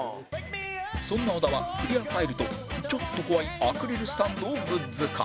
そんな小田はクリアファイルとちょっと怖いアクリルスタンドをグッズ化